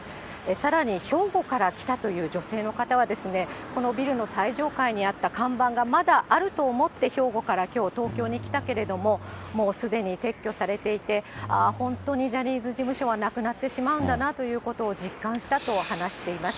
さらに、兵庫から来たという女性の方は、このビルの最上階にあった看板がまだあると思って、兵庫からきょう東京に来たけれども、もうすでに撤去されていて、ああ、本当にジャニーズ事務所はなくなってしまうんだなということを実感したと話していました。